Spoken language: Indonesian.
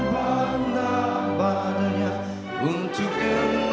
pemirsa dan hadirin sekalian